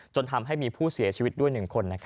จนทำให้มีผู้เสียชีวิตด้วย๑คน